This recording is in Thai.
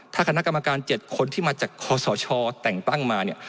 ถ้าคณะกรรมการ๗คนที่มาจากคอสชแต่งตั้งมาเนี่ย